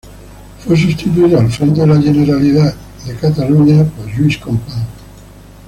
Fue sustituido al frente de la Generalidad de Cataluña por Lluís Companys.